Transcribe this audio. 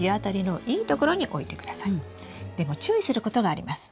でも注意することがあります。